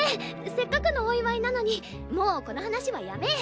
せっかくのお祝いなのにもうこの話はやめ！